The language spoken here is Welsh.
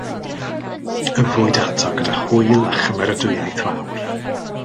Yfwyd ato gyda hwyl a chymeradwyaeth fawr.